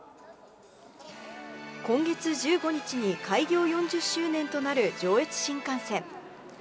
今月１５日に開業４０周年となる上越新幹線。